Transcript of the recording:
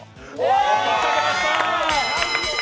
引っかけました！